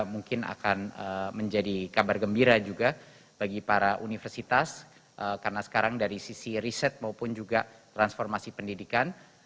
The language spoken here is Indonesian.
mungkin akan menjadi kabar gembira juga bagi para universitas karena sekarang dari sisi riset maupun juga transformasi pendidikan